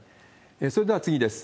それでは次です。